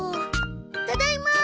ただいま！